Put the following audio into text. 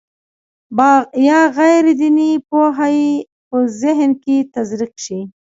یا غیر دیني پوهه یې په ذهن کې تزریق شي.